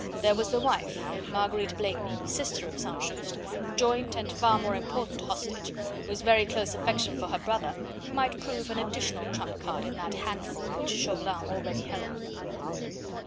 There was the wife Marguerite Blakeney sister of St. Just, joint and far more important hostage, whose very close affection for her brother might prove an additional trump card in that handful which Chauvelin already held.